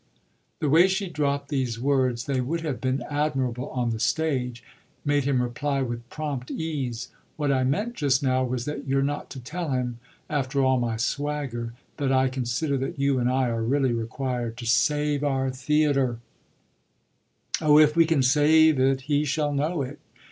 The way she dropped these words they would have been admirable on the stage made him reply with prompt ease: "What I meant just now was that you're not to tell him, after all my swagger, that I consider that you and I are really required to save our theatre." "Oh if we can save it he shall know it!"